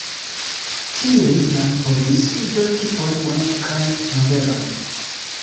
Tie li jam provis verki poemojn kaj novelojn.